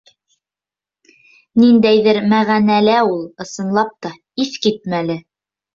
Ниндәйҙер мәғәнәлә ул, ысынлап та, иҫ китмәле.